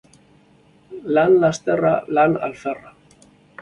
Lan lasterra, lan alferra.